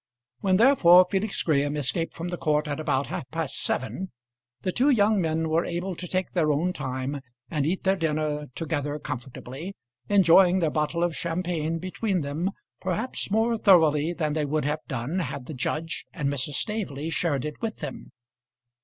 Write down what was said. When therefore Felix Graham escaped from the court at about half past seven, the two young men were able to take their own time and eat their dinner together comfortably, enjoying their bottle of champagne between them perhaps more thoroughly than they would have done had the judge and Mrs. Staveley shared it with them.